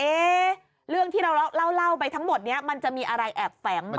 เรื่องที่เราเล่าไปทั้งหมดนี้มันจะมีอะไรแอบแฝงมา